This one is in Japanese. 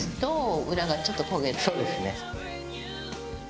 そうですね。